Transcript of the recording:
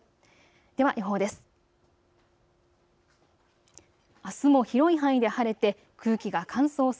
では予報です。